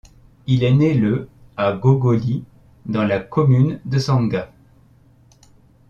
Il est né le à Gogoli, dans la commune de Sangha.